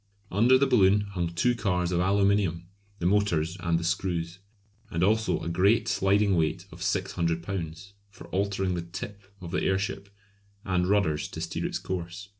Under the balloon hung two cars of aluminium, the motors and the screws; and also a great sliding weight of 600 lbs. for altering the "tip" of the airship; and rudders to steer its course.